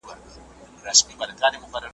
د لېوه بچی د پلار په څېر لېوه وي .